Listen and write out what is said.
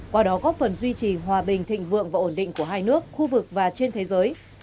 qua đó góp phần duy trì hòa bình thịnh vượng và ổn định của hai nước khu vực và trên thế giới